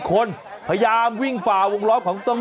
ขอบคุณครับขอบคุณครับ